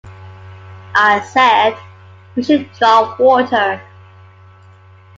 I said we should draw water.